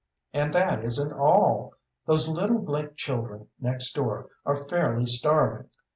And that isn't all. Those little Blake children next door are fairly starving.